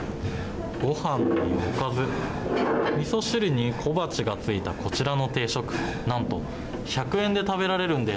ご飯におかずみそ汁に小鉢がついたこちらの定食なんと１００円で食べられるんです。